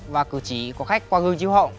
và cử chỉ của khách qua gương chiếu họng